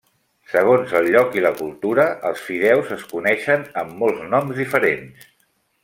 Segons el lloc i la cultura els fideus es coneixen amb molts noms diferents.